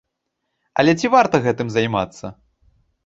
Але ці варта гэтым займацца?